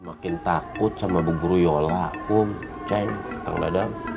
makin takut sama bu guru yola um ceng kang dadang